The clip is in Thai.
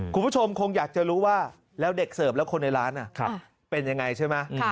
คุณผู้ชมคงอยากจะรู้ว่าแล้วเด็กเสิร์ฟแล้วคนในร้านเป็นยังไงใช่ไหม